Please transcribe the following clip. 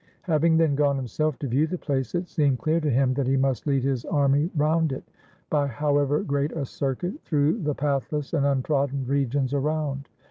Having then gone himself to view the place, it seemed clear to him that he must lead his army round it, by however great a circuit, through the pathless and untrodden regions around.